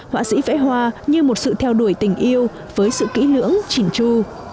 họa sĩ vẽ hoa như một sự theo đuổi tình yêu với sự kỹ lưỡng chỉn chu